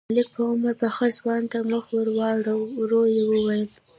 ملک په عمر پاخه ځوان ته مخ ور واړاوه، ورو يې وويل: